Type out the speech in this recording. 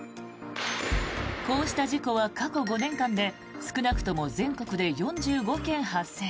こうした事故は過去５年間で少なくとも全国で４５件発生。